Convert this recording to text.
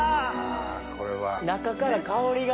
中から香りが！